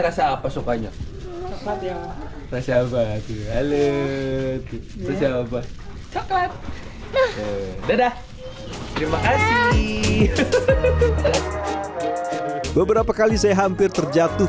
rasa apa sukanya rasa apa halo cokelat dadah terima kasih beberapa kali saya hampir terjatuh